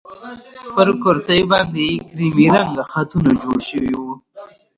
پر کورتۍ باندې يې کيريمي رنګه خطونه جوړ شوي وو.